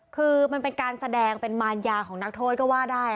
คือมันเป็นการแสดงเป็นมารยาของนักโทษก็ว่าได้